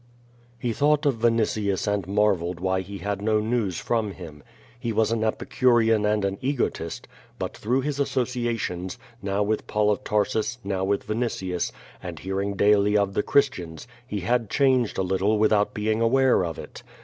He thought of Vinitius and marveled why he had no news QUO VADIfi. 373 from him. He was an epicurean and an egotist, but, througli his associations, now with Paul of Tarsus, now with Vinitius, and hearing daily of the Christians, he had changed a little without being aware of it.